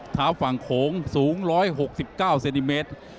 เท้าฝั่งโขงสูง๑๖๙เซนติเมตร